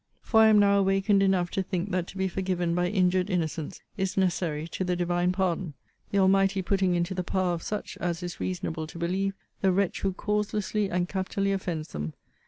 For I am now awakened enough to think that to be forgiven by injured innocents is necessary to the Divine pardon; the Almighty putting into the power of such, (as is reasonable to believe,) the wretch who causelessly and capitally offends them.